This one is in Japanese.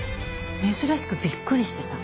珍しくびっくりしてた。